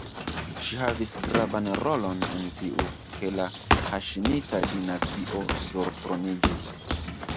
Ŝi havis gravan rolon en tiu, ke la Haŝimita-dinastio surtroniĝis.